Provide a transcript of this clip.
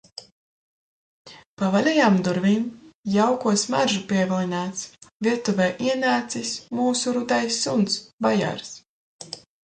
Pa vaļējām durvīm, jauko smaržu pievilināts, virtuvē ienācis mūsu rudais suns Bajārs.